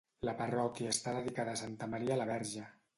La parròquia està dedicada a Santa Maria la Verge.